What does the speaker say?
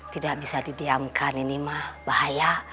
tidak bisa didiamkan ini mah bahaya